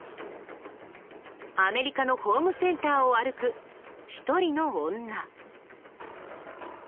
アメリカのホームセンターを歩く一人の女。